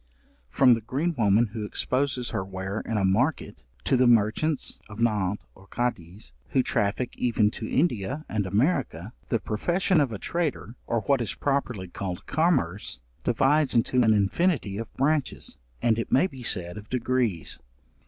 From the green woman who exposes her ware in a market, to the merchants of Nantz or Cadiz, who traffic even to India and America, the profession of a trader, or what is properly called commerce, divides into an infinity of branches, and it may be said of degrees.